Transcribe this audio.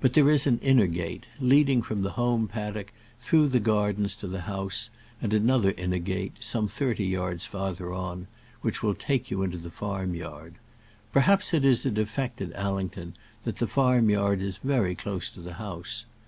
But there is an inner gate, leading from the home paddock through the gardens to the house, and another inner gate, some thirty yards farther on, which will take you into the farm yard. Perhaps it is a defect at Allington that the farm yard is very close to the house.